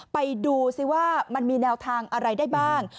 ไปดูซิว่ามันมีแนวทางอะไรได้บ้าง